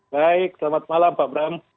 baik selamat malam pak bram